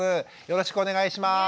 よろしくお願いします。